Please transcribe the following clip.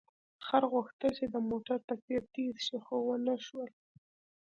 خر غوښتل چې د موټر په څېر تېز شي، خو ونه شول.